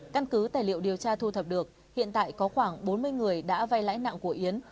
căn cứ tài liệu điều tra thu thập được hiện tại có khoảng bốn mươi người đã vay lãi nặng của yến